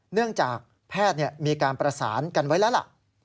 เนื่องจากแพทย์มีการประสานกันไว้แล้วล่ะ